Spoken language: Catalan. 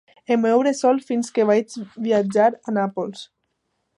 El meu bressol fins que vaig viatjar a Nàpols.